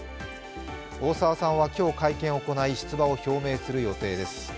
大沢さんは今日、会見を行い出馬を表明する予定です。